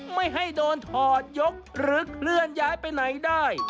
ไม่ให้โดนถอดยกหรือเคลื่อนย้ายไปไหนได้